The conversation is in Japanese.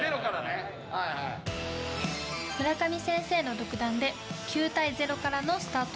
村上先生の独断で９対０からのスタート。